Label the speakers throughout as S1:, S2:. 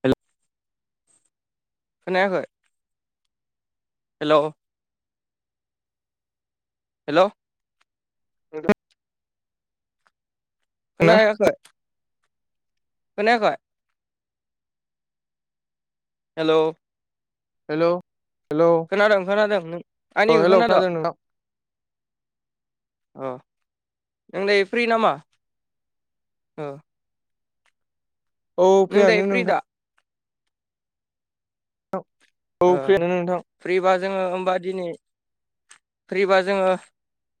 S1: हेल खनायाखै हेल' हेलौ
S2: [unintelligible]
S1: खोनायाखै खोनायाखै हेल'
S2: हेल'
S1: खोनादों खोनादों। नों
S2: अ
S1: आंनिखौ
S2: हेलौ
S1: खोनाद?
S2: खोनादों नोंथां
S1: अ नोंलाय फ्रि नामा अ
S2: औ
S1: नों दायो
S2: प्रियानो
S1: फ्रि
S2: नोंथां।
S1: दा
S2: थ औ
S1: ओ
S2: फ्रिया नों नोंथां
S1: फ्रिबा जोंङो होमबा दिनै फ्रिबा जोंङो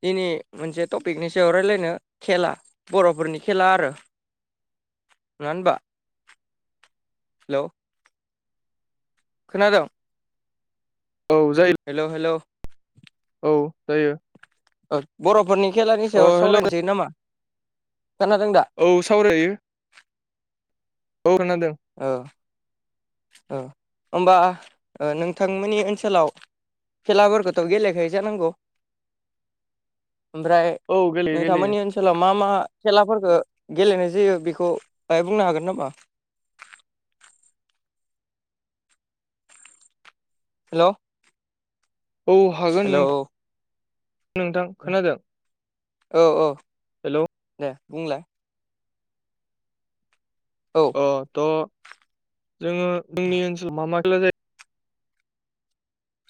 S1: दिनै मोनसे टपिकनि सायाव राय्लायनो खेला बर'फोरनि खेला आरो नोंआ होमबा हेल' खोनाद
S2: औ जायो।
S1: हेल' हेल'
S2: औ जायो।
S1: ओ बर'फोरनि खेलानि
S2: अ
S1: सायाव
S2: हेलौ
S1: सावरायनोसै नामा। खोनादों दा?
S2: औ सावरा जायो। औ खोनाादों।
S1: औ औ होनबा ओ नोंथांमोननि ओनसोलाव खेला फोरखौथ' गेलेखायो जानांगौ ओमफ्राय
S2: औ गेलेयो
S1: नोंथां
S2: गेलेयो
S1: मोननि ओनस ओनसोलाव मा मा खेलाफोरखो गेलेनाय जायो। बेखौ बाहाय बुंनो हागोन नामा? हेल'
S2: औ हागोन नों नोंथां खोनादों
S1: औ औ
S2: हेलौ?
S1: दे बुंलाय। औ।
S2: अ त जोङो जोंनि ओनसोलाव मा खेला जायो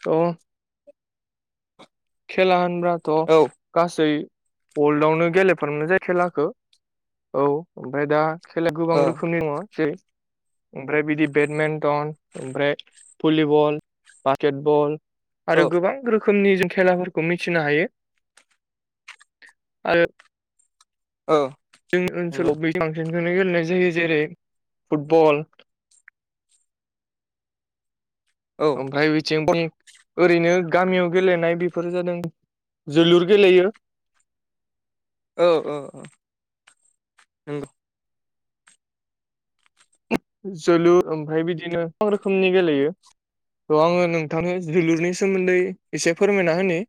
S2: त खेला होनबाथ'
S1: औ
S2: गासै वर्लडआवनो गेलेफ्रामनाय जायो खेलाखौ। औ ओमफ्राय दा खेला गोबां
S1: औ
S2: रोखोमनि दङ, जेरै ओमफ्राय बिदि बेटमिन्टन ओमफ्राय भलिबल, बास्केटबल आरो
S1: औ
S2: गोबां रोखोमनि जों खेलाफोरखौ मिथिनो हायो आरो
S1: ओ।
S2: जोंनि ओनसोलाव बै बांसिनखौनो गेलेनाय जायो जेरै फुटबल।
S1: औ
S2: ओमफ्राय बेथिं [inaudible] ओरैनो गामियाव गेलेनाय बेफोरो जादों जोलुर गेलेयो।
S1: औ औ औ नंगौ।
S2: जोलुर ओमफ्राय बिदिनो गोबां रोखोमनि गेलेयो। थ' आङो नोंथांनो जोलुरनि सोमोन्दै एसे फोरमायना होनि।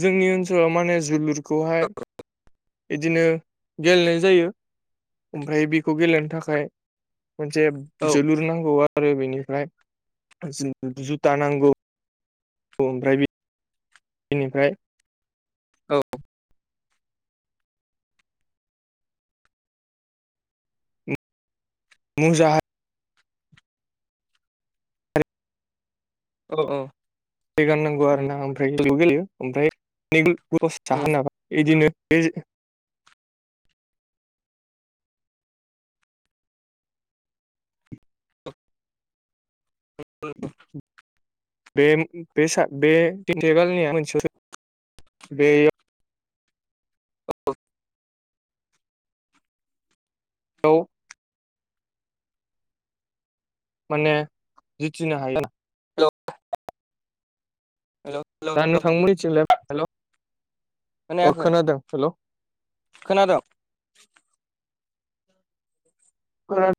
S2: जोंनि ओनसोलाव माने जोलुरखौहाय बिदिनो गेलेनाय जायो। ओमफ्राय बेखौ गेलेनो थाखाय मोनसे
S1: औ
S2: जोलुर नांगौ आरो बेनिफ्राय जुथा नांगौ। औ ओमफ्राय बि बिनिफ्राय
S1: औ।
S2: मुजा हा
S1: अह अह।
S2: रि गाननांगौ आरोना ओमफ्राय [unintelligible] गेलेयो ओमफ्राय
S1: हेलौ
S2: [unintelligible] बिदिनो बे जे
S1: [unintelligible]
S2: बे बे सा बे [unintelligible] गालनिया मोनसे बेयाव
S1: औ।
S2: औ' माने जिथिनो हायो।
S1: हेल'?
S2: जानो थांमोन मिथिंलाय हेल'? अह
S1: खोनायाखै
S2: खोनादों। हेल'?
S1: खोनादों?
S2: खोना